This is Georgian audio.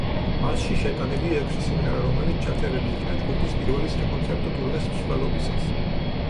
მასში შეტანილია ექვსი სიმღერა, რომელიც ჩაწერილი იქნა ჯგუფის პირველი საკონცერტო ტურნეს მსვლელობისას.